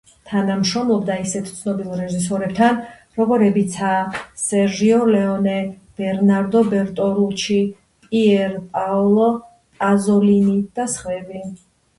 თანამშრომლობდა ისეთ ცნობილ რეჟისორებთან, როგორებიცაა სერჟიო ლეონე, ბერნარდო ბერტოლუჩი, პიერ პაოლო პაზოლინი და სხვები.